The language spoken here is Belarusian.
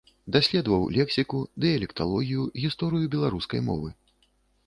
Даследаваў лексіку, дыялекталогію, гісторыю беларускай мовы.